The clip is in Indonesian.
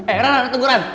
eh ran ran tunggu ran